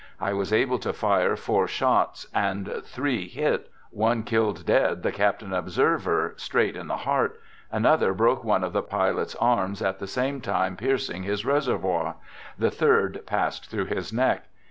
I was able to fire four shots, and three hit. One killed dead the captain observer, straight in the heart ; another broke one of the pilot's arms, at the same time piercing his reservoir; the third passed through his neck.